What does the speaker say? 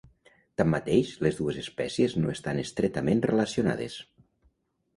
Tanmateix, les dues espècies no estan estretament relacionades.